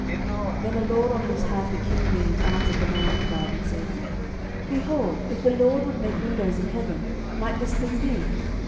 12:007:002 Then a lord on whose hand the king leaned answered the man of God, and said, Behold, if the LORD would make windows in heaven, might this thing be?